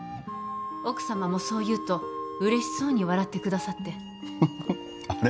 奥様もそう言うと嬉しそうに笑ってくださってあれ？